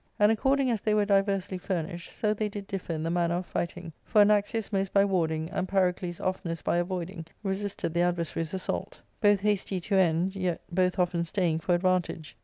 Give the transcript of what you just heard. And according as they were diversely furnished, so they did differ in the manner of fighting ; for Anaxius most by warding, and Pyrocles oftenest by avoiding, resisted the adversary's assault Both hasty to end, yet both often staying for advantage.